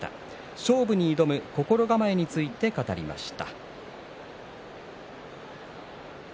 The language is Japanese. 勝負に挑む心構えについて語りました。